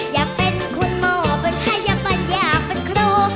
อยากเป็นคุณหมอเป็นไทยเป็นอย่างเป็นครู